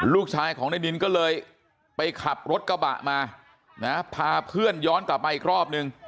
ลูกชายของนายนินก็เลยไปขับรถกระบะมานะพาเพื่อนย้อนกลับมาอีกรอบนึง